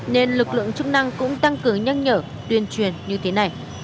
nên lực lượng chức năng cũng tăng cửa nhanh nhở tuyên truyền như thế này